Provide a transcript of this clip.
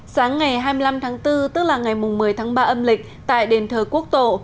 sáng ngày hai mươi năm tháng bốn tức là ngày một mươi tháng ba âm lịch tại đền thờ quốc tổ